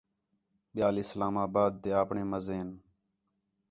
ٻِیال اِسلام آباد تے آپݨے مزے ہِن